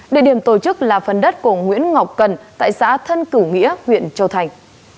địa điểm tổ chức là phần đất của nguyễn ngọc cần tại xã thân cửu nghĩa huyện châu thành